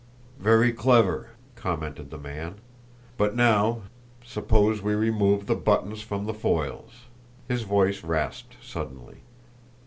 "Very clever!" commented the man. "But now suppose we remove the buttons from the foils!" His voice rasped suddenly.